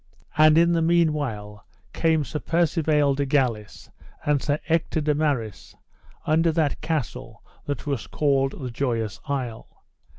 And in the meanwhile came Sir Percivale de Galis and Sir Ector de Maris under that castle that was called the Joyous Isle.